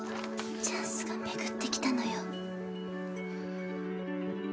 チャンスが巡ってきたのよ。